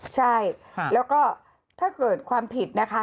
ใช่แล้วก็ถ้าเกิดความผิดนะคะ